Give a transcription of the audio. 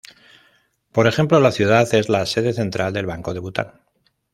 Por ejemplo, la ciudad es la sede central del Banco de Bután.